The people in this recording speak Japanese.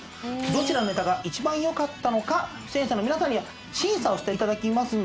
どちらのネタが一番よかったのか出演者の皆さんには審査をしていただきます。